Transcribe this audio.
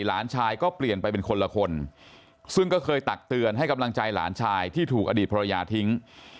หลานชายก็เปลี่ยนไปเป็นคนละคนซึ่งก็เคยตักเตือนให้กำลังใจหลานชายที่ถูกอดีตภรรยาทิ้ง